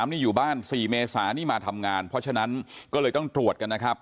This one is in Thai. นี่อยู่บ้าน๔เมษานี่มาทำงานเพราะฉะนั้นก็เลยต้องตรวจกันนะครับ